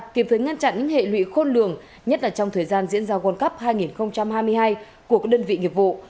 kịp thời ngăn chặn những hệ lụy khôn lường nhất là trong thời gian diễn ra world cup hai nghìn hai mươi hai của các đơn vị nghiệp vụ